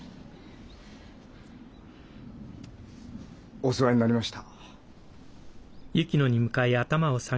お世話になりました。